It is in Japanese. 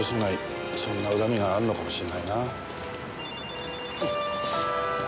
そんな恨みがあるのかもしれないな。